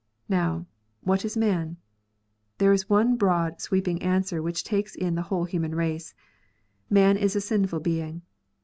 Xow, what is man 1 There is one broad, sweeping answer, which takes in the whole human race : man is a sinful being.